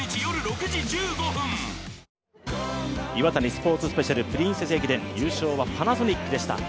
Ｉｗａｔａｎｉスポーツスペシャル・プリンセス駅伝、優勝はパナソニックでした。